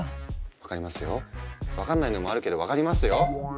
分かりますよ分かんないのもあるけど分かりますよ。